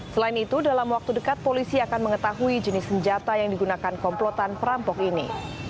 selain itu dalam waktu dekat polisi akan mengetahui jenis senjata yang digunakan komplotan perampok ini